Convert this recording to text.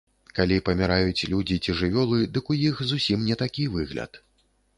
Калі паміраюць людзі ці жывёлы, дык у іх зусім не такі выгляд.